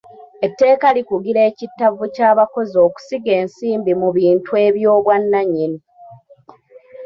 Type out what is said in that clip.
Etteeka likugira ekittavvu ky'abakozi okusiga ensimbi mu bintu eby'obwannannyini.